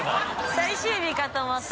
最終日かと思った。